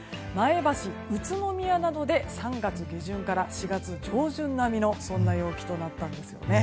前橋、宇都宮などで３月下旬から４月上旬並みの陽気となったんです。